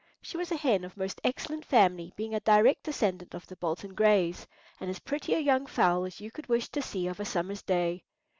She was a hen of most excellent family, being a direct descendant of the Bolton Grays, and as pretty a young fowl as you could wish to see of a summer's day.